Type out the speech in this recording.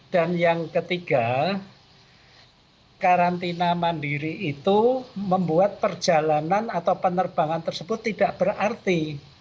dan yang ketiga karantina mandiri itu membuat perjalanan atau penerbangan tersebut tidak berarti